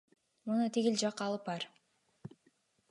Муну тигил жакка алып бар!